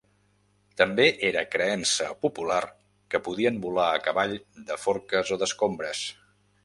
També era creença popular que podien volar a cavall de forques o d'escombres.